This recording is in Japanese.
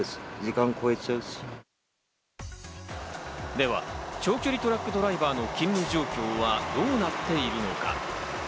では、長距離トラックドライバーの勤務状況はどうなっているのか。